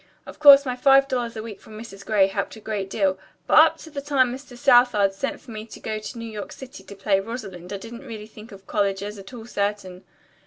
Of course, my five dollars a week from Mrs. Gray helped a great deal, but up to the time Mr. Southard sent for me to go to New York City to play Rosalind I didn't really think of college as at all certain.